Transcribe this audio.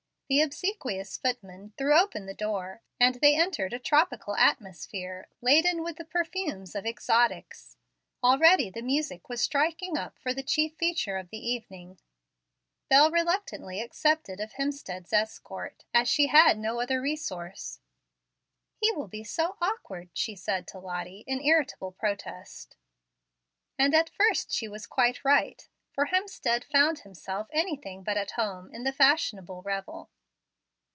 The obsequious footman threw open the door, and they entered a tropical atmosphere laden with the perfumes of exotics. Already the music was striking up for the chief feature of the evening. Bel reluctantly accepted of Hemstead's escort, as sh; had no other resource. "He will be so awkward!" she had said to Lottie, in irritable protest. And at first she was quite right, for Hemstead found himself anything but at home in the fashionable revel.